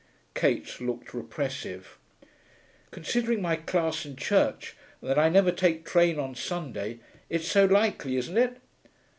Kate looked repressive. 'Considering my class, and church, and that I never take train on Sunday, it's so likely, isn't it?...